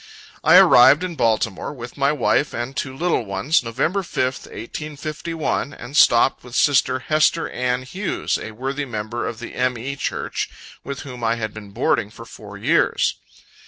I arrived in Baltimore, with my wife and two little ones, November 5th, 1851, and stopped with sister Hester Ann Hughes, a worthy member of the M. E. Church, with whom I had been boarding for four years.